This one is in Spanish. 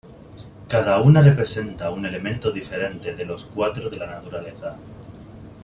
Cada una representa un elemento diferente de los cuatro de la naturaleza.